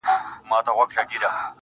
مسافر ليونى.